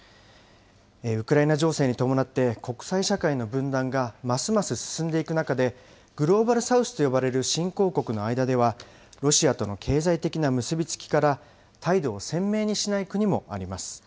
ウクライナ情勢に伴って、国際社会の分断がますます進んでいく中で、グローバル・サウスと呼ばれる新興国の間では、ロシアとの経済的な結び付きから、態度を鮮明にしない国もあります。